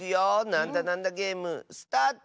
「なんだなんだゲーム」スタート！